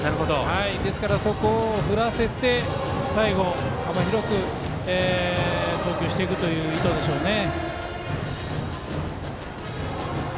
ですから、そこを振らせて最後、幅広く投球していくという意図でしょうね。